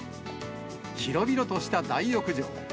広々とした大浴場。